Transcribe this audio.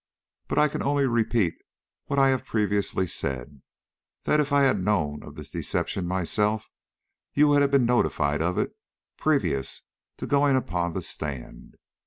But I can only repeat what I have previously said, that if I had known of this deception myself, you would have been notified of it previous to going upon the stand.